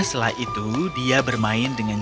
di sela sela itu dia bermain dengan ayah